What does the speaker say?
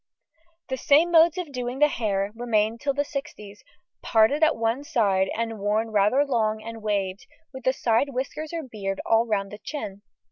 The same modes of doing the hair remained till the sixties, parted at one side and worn rather long and waved, with the side whiskers or beard all round the chin.